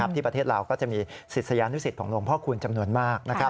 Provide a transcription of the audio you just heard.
ที่ประเทศลาวก็จะมีศิษยานุสิตของหลวงพ่อคูณจำนวนมาก